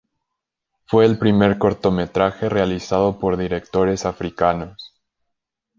Fue el primer cortometraje realizado por directores africanos.